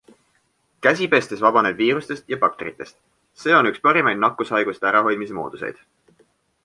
Käsi pestes vabaned viirustest ja bakteritest, see o üks parimaid nakkushaiguste ärahoidmise mooduseid.